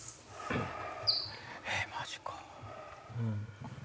えっマジか。